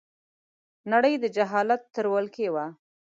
نړۍ د جاهلیت تر ولکې وه